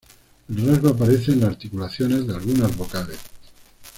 El rasgo aparece en la articulación de algunas vocales.